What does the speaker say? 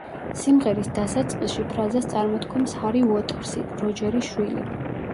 სიმღერის დასაწყისში ფრაზას წარმოთქვამს ჰარი უოტერსი, როჯერის შვილი.